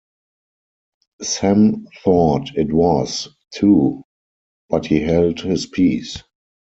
Sam thought it was, too, but he held his peace.